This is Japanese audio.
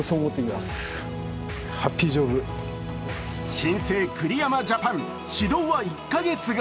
新生・栗山ジャパン始動は１か月後。